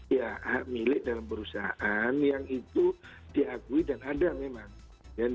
ya hak milik dalam perusahaan yang itu diakui dan ada memang